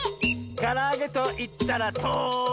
「からあげといったらとり！」